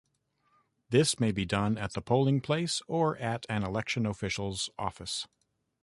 This may be done at the polling place or at an election official's office.